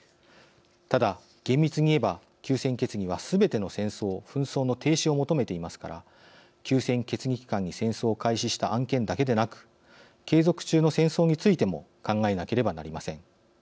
ただ、厳密に言えば休戦決議はすべての戦争・紛争の停止を求めていますから休戦決議期間に戦争を開始した案件だけでなく継続中の戦争についても考えなければなりません。